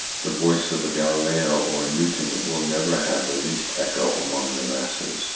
The voice of a Galileo or a Newton will never have the least echo among the masses.